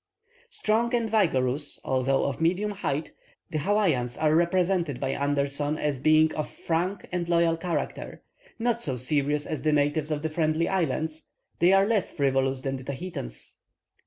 Strong and vigorous, although of medium height, the Hawaians are represented by Anderson as being of frank and loyal character. Not so serious as the natives of the Friendly Isles, they are less frivolous than the Tahitans.